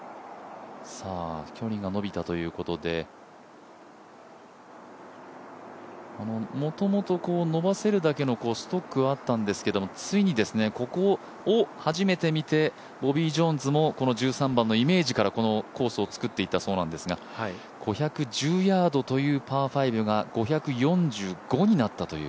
距離が延びたということでもともと、伸ばせるだけのストックあったんですけどついにここを初めて見てボビー・ジョーンズもこの１３番のイメージからこのコースを作っていったそうなんですが５１０ヤードというパー５が５４５になったという。